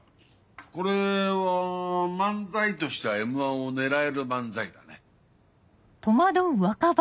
これは漫才としては『Ｍ−１』を狙える漫才だね。